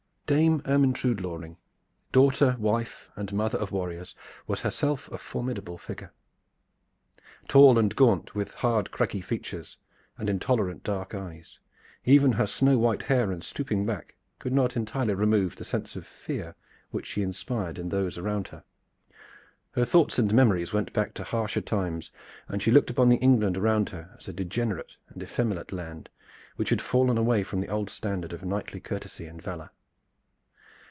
Dame Ermyntrude Loring, daughter, wife, and mother of warriors, was herself a formidable figure. Tall and gaunt, with hard craggy features and intolerant dark eyes, even her snow white hair and stooping back could not entirely remove the sense of fear which she inspired in those around her. Her thoughts and memories went back to harsher times, and she looked upon the England around her as a degenerate and effeminate land which had fallen away from the old standard of knightly courtesy and valor.